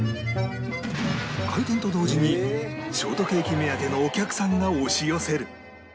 開店と同時にショートケーキ目当てのお客さんが押し寄せる